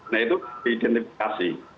nah itu diidentifikasi